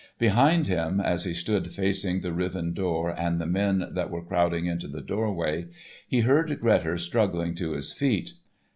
Behind him, as he stood facing the riven door and the men that were crowding into the doorway, he heard Grettir struggling to his feet.